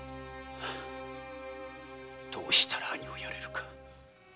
どうしたら兄を殺れるか。